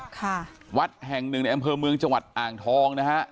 ค่ะวัดแห่งหนึ่งในอำเภอเมืองจังหวัดอ่างทองนะฮะ